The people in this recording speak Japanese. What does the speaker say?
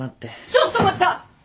ちょっと待った！